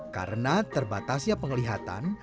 karena terbatasnya pengelihatan